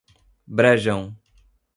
Brejão